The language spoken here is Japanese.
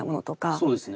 そうですね。